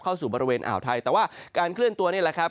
เข้าสู่บริเวณอ่าวไทยแต่ว่าการเคลื่อนตัวนี่แหละครับ